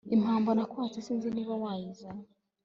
impamba nakwatse sinzi niba wayizanye